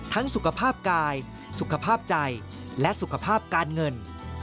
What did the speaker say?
สุขภาพกายสุขภาพใจและสุขภาพการเงิน